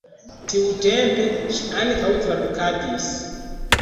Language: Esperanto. Tiutempe ŝi ankaŭ tradukadis.